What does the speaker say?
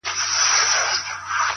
پهدهپسېويثوابونهيېدلېپاتهسي.